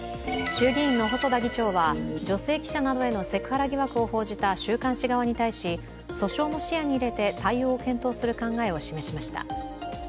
衆議院の細田議長は女性記者などへのセクハラ疑惑を報じた週刊誌側に対し訴訟も視野に入れて対応を検討する考えを示しました。